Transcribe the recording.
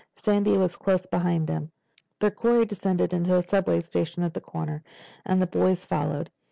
Sandy was close behind him. Their quarry descended into the subway station at the corner, and the boys followed.